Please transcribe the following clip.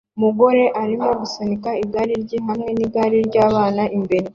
Umugore arimo asunika igare rye hamwe nigare ryabana imbere